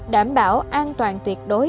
đảm bảo an toàn tuyệt đối